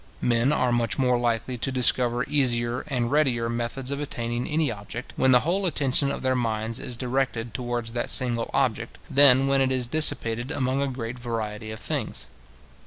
Men are much more likely to discover easier and readier methods of attaining any object, when the whole attention of their minds is directed towards that single object, than when it is dissipated among a great variety of things.